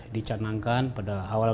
dicanangkan pada awal